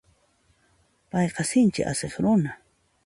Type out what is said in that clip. Payqa sinchi asiq runa.